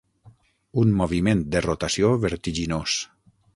Un moviment de rotació vertiginós.